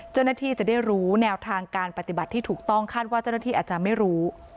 เจ้าหน้าที่จะได้รู้แนวทางการปฏิบัติที่ถูกต้องคาดว่าเจ้าหน้าที่อาจจะไม่รู้